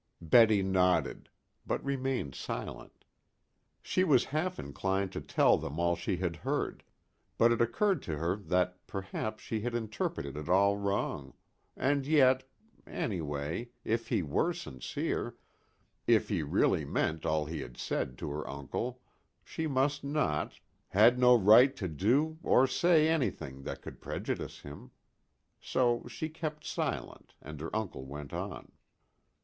Betty nodded; but remained silent. She was half inclined to tell them all she had heard, but it occurred to her that perhaps she had interpreted it all wrong and yet anyway, if he were sincere, if he really meant all he had said to her uncle she must not, had no right to do, or say, anything that could prejudice him. So she kept silent, and her uncle went on.